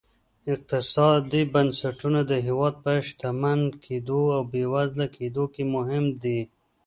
اقتصادي بنسټونه د هېواد په شتمن کېدو او بېوزله کېدو کې مهم دي.